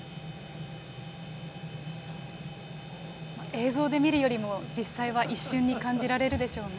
映像で見るよりも、実際は一瞬に感じられるでしょうね。